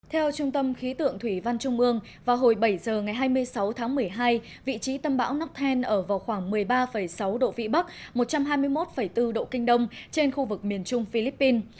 theo trung tâm khí tượng thủy văn trung ương vào hồi bảy giờ ngày hai mươi sáu tháng một mươi hai vị trí tâm bão nắp then ở vào khoảng một mươi ba sáu độ vĩ bắc một trăm hai mươi một bốn độ kinh đông trên khu vực miền trung philippines